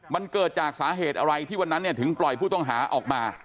มันเกิดจากสาเหตุอะไรที่วันนั้นเนี่ยถึงปล่อยผู้ต้องหาออกมา